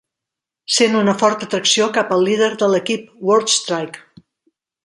Sent una forta atracció cap al líder de l'equip, Warstrike.